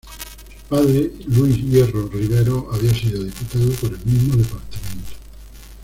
Su padre Luis Hierro Rivero había sido diputado por el mismo departamento.